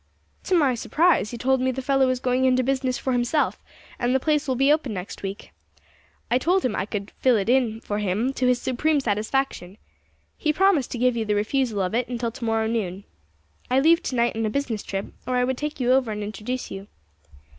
To my surprise he told me the fellow is going into business for himself, and the place will be open next week. I told him I could fill it for him to his supreme satisfaction. He promised to give you the refusal of it until to morrow noon. I leave to night on a business trip, or I would take you over and introduce you."